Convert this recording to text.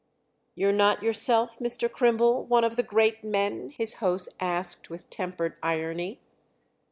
"You're not yourself, Mr. Crimble, one of the great men?" his host asked with tempered irony.